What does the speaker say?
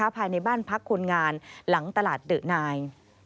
ภายในบ้านพักคนงานหลังตลาดเดอะนาย